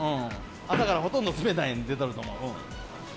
朝からほとんど冷たいの出とると思う。